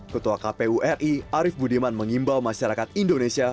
ketua kpu ri arief budiman mengimbau masyarakat indonesia